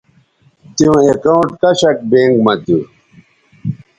تیوں اکاؤنٹ کشک بینک مہ تھو